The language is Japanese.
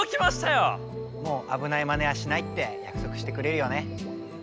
もうあぶないマネはしないってやくそくしてくれるよね？